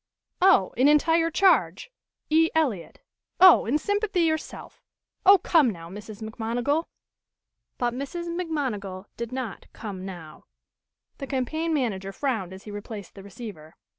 "Oh! in entire charge E. Eliot. Oh! In sympathy yourself. Oh, come now, Mrs. McMonigal " But Mrs. McMonigal did not come now. The campaign manager frowned as he replaced the receiver.